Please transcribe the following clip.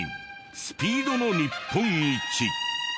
スピードの日本一。